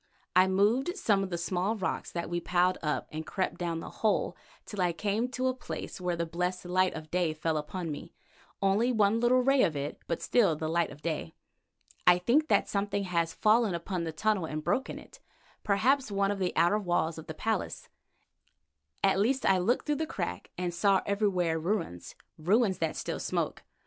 I moved some of the small rocks that we piled up, and crept down the hole till I came to a place where the blessed light of day fell upon me, only one little ray of it, but still the light of day. I think that something has fallen upon the tunnel and broken it, perhaps one of the outer walls of the palace. At least I looked through a crack and saw everywhere ruins—ruins that still smoke.